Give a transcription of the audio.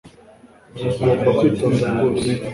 Ugomba kwitonda rwose